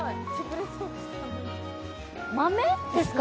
豆ですか？